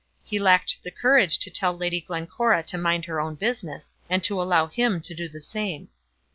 He lacked the courage to tell Lady Glencora to mind her own business and to allow him to do the same.